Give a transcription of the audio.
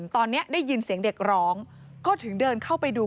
ตอนนี้ได้ยินเสียงเด็กร้องก็ถึงเดินเข้าไปดู